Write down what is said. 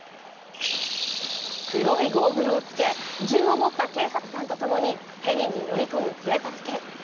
黒いゴーグルをつけ、銃を持った警察官とともにヘリに乗り込む警察犬。